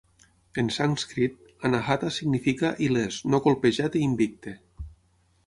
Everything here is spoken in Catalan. En sanskrit, "anahata" significa "il·lès, no colpejat i invicte".